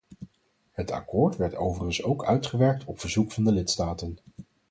Het akkoord werd overigens ook uitgewerkt op verzoek van de lidstaten.